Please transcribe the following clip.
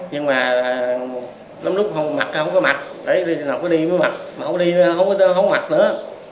nhưng mà lắm lúc mặt không có mặt để nào có đi mới mặt mà không có đi thì không có mặt nữa